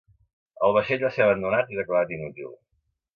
El vaixell va ser abandonat i declarat inútil.